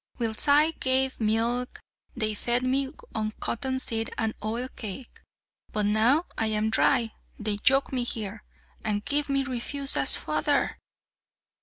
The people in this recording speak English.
Whilst I gave milk they fed me on cotton seed and oil cake, but now I am dry they yoke me here, and give me refuse as fodder!"